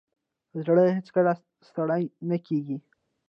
زړه هیڅکله ستړی نه کېږي.